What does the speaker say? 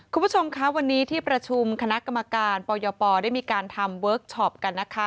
คุณผู้ชมคะวันนี้ที่ประชุมคณะกรรมการปยปได้มีการทำเวิร์คชอปกันนะคะ